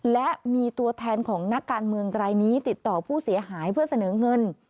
และมีตัวแทนของนักการเมืองรายนี้ติดต่อผู้เสียหายเพื่อเสนอเงิน